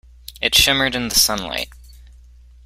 It shimmered in the sunlight.